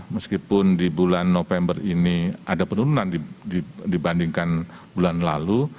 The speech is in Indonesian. meskipun di bulan november ini ada penurunan dibandingkan bulan lalu